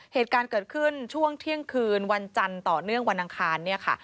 เหตุการณ์เกิดขึ้นช่วงเที่ยงคืนวันจันทร์ต่อเนื่องวันอังคารเนี่ยค่ะ